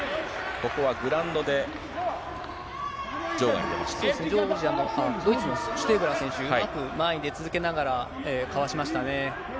ここはグラウンドで場外に出ドイツのシュテーブラー選手、うまく前に出続けながら、かわしましたね。